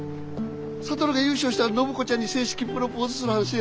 智が優勝したら暢子ちゃんに正式プロポーズする話。